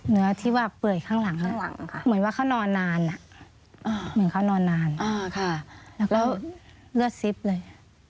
เนื้อที่ว่าเปื่อยข้างหลังเหมือนว่าเขานอนนานแล้วเลือดซิบเลย